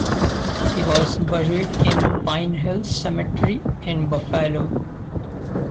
He was buried in Pine Hill Cemetery in Buffalo.